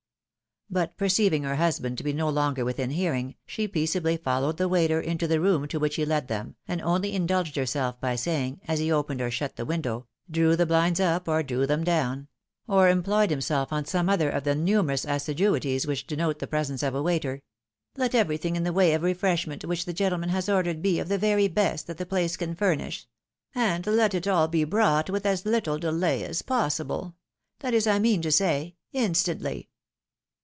" But perceiving her husband to be no longer within hearing, she peaceably followed the waiter into the room to which he led them, and only indulged herself by saying, as he opened or shut the window — drew the blinds up or drew them down — or em ployed himself on some other of the numerous assiduities which denote the presence of a waiter, " Let everything in the way of refreshment which the gentleman has ordered be of the very best that the place can furnish ; and let it all be brought with as httle delay as possible — that is, I mean to say, instantly."